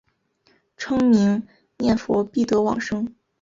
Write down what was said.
称名念佛必得往生。